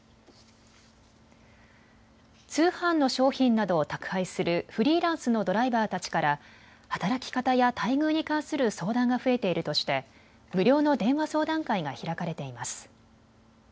通販の商品などを宅配するフリーランスのドライバーたちから働き方や待遇に関する相談が増えているとして無料の電話相談会が開かれています。